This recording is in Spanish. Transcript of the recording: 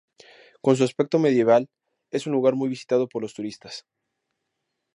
Con su aspecto medieval, es un lugar muy visitado por los turistas.